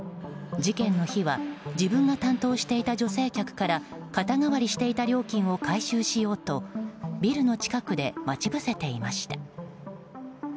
事件の日は自分が担当していた女性客から肩代わりしていた料金を回収しようとビルの近くで待ち伏せていました。